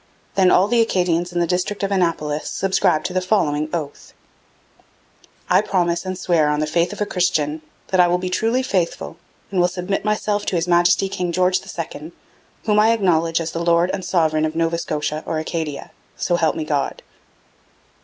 Then all the Acadians in the district of Annapolis subscribed to the following oath: 'I promise and swear on the faith of a Christian that I will be truly faithful and will submit myself to His Majesty King George the Second, whom I acknowledge as the lord and sovereign of Nova Scotia or Acadia. So help me God.'